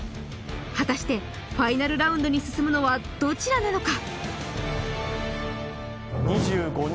果たしてファイナルラウンドに進むのはどちらなのか？